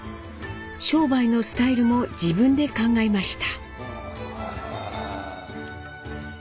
商売のスタイルも自分で考えました。